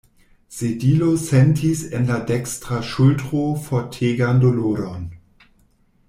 Sedilo sentis en la dekstra ŝultro fortegan doloron.